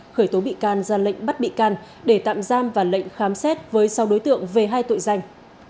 khởi tố bị can ra lệnh bắt bị can để tạm giam và lệnh khám xét với sau đối tượng về hai tội danh